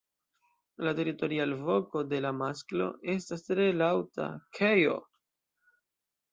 La teritoria alvoko de la masklo estas tre laŭta "kej-oh".